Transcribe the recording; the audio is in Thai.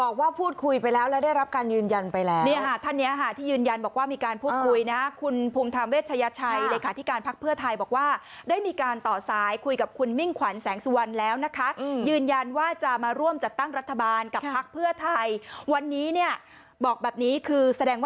คือรวม๖ภักดิ์การเมือง